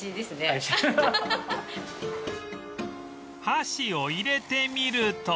箸を入れてみると